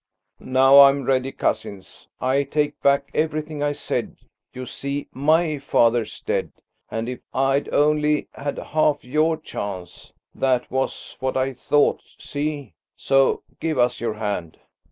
"Now I'm ready. Cousins, I take back everything I said. You see my father's dead ... and if I'd only had half your chance. .. That was what I thought. See? So give us your hand."